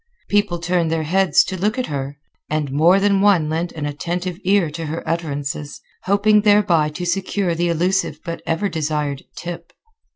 People turned their heads to look at her, and more than one lent an attentive ear to her utterances, hoping thereby to secure the elusive but ever desired "tip."